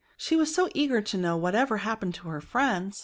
She was so eager to know whatever happened to her friends.